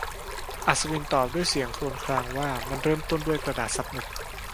อัศวินตอบด้วยเสียงครวญครางว่า มันเริ่มต้นด้วยกระดาษซับหมึก